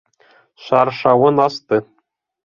Шаршауын асты.